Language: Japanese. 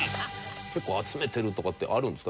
結構集めてるとかってあるんですか？